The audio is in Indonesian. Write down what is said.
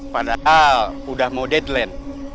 padahal udah mau deadline